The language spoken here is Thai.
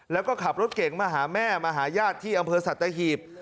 แล้วก็ขับรถเก่งมาหาแม่มาหาญาติที่อำเภอสัตหีบ